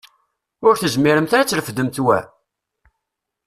Ur tezmiremt ara ad trefdemt wa?